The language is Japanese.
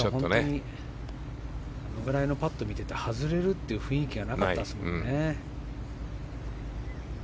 あれぐらいのパットを見ていて外れるって雰囲気がなかったですもんね。